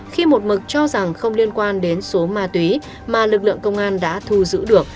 khi một mực cho rằng không liên quan đến số ma túy mà lực lượng công an đã thu giữ được